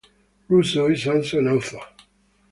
Russo is also an author.